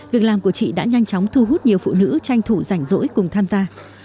việc làm của chị đã nhanh chóng thu hút nhiều phụ nữ tranh thủ rảnh rỗi cùng tham gia